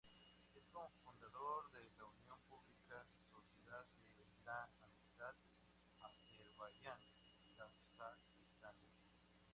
Es cofundador de la Unión Pública "Sociedad de la Amistad Azerbaiyán-Kazakistán".